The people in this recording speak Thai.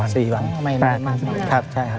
ใช่ครับ